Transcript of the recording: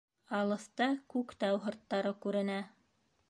Алыҫта Күктау һырттары күренә.